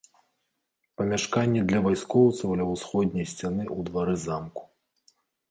Памяшканні для вайскоўцаў ля ўсходняй сцяны ў двары замку.